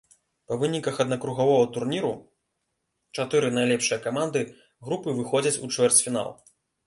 Па выніках аднакругавога турніру чатыры найлепшыя каманды групы выходзяць у чвэрцьфінал.